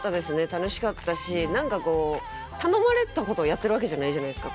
楽しかったし何かこう頼まれたことをやってるわけじゃないじゃないですか。